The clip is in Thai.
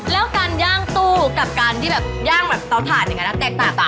แล้วการย่างตู้กับการที่ย่างเตาถาดอย่างนี้นะแตกต่างค่ะ